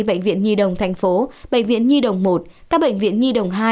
bệnh viện nhi đồng thành phố bệnh viện nhi đồng một các bệnh viện nhi đồng hai